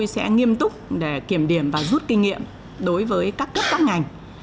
sẽ nghiêm túc để kiểm điểm và rút kinh nghiệm đối với các cấp các ngành